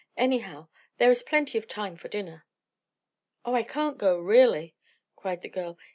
Anyhow, there is plenty of time for dinner." "Oh, I can't go, really!" cried the girl.